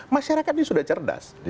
masyarakat ini sudah cerdas